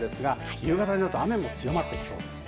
夕方になると雨が強まりそうです。